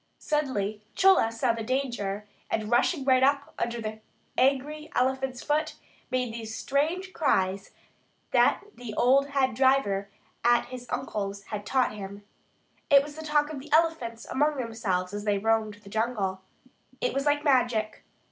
Suddenly Chola saw the danger, and rushing right up under the angry elephant's foot made those strange cries that the old head driver at his uncle's had taught him. It was the talk of the elephants among themselves as they roamed the jungle. It was like magic.